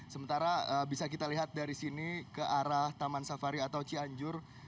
sementara bisa kita lihat dari sini ke arah taman safari atau cianjur